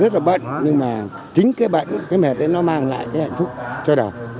rất là bệnh nhưng mà chính cái bệnh cái mệt ấy nó mang lại cái hạnh phúc cho đầu